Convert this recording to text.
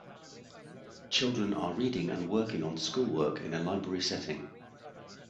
Children are reading and working on schoolwork in a library setting.